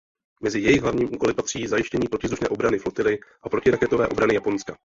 Mezi jejich hlavním úkoly patří zajištění protivzdušné obrany floty a protiraketové obrany Japonska.